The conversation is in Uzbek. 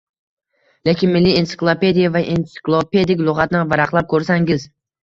Lekin milliy ensiklopediya va ensiklopedik lugʻatni varaqlab koʻrsangiz